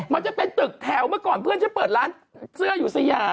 มันจะเป็นตึกแถวเมื่อก่อนเพื่อนฉันเปิดร้านเสื้ออยู่สยาม